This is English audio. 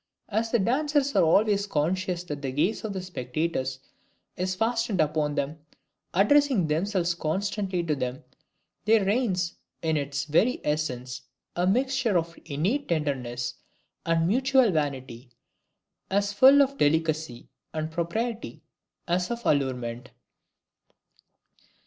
As the dancers are always conscious that the gaze of the spectators is fastened upon them, addressing themselves constantly to them, there reigns in its very essence a mixture of innate tenderness and mutual vanity, as full of delicacy and propriety as of allurement.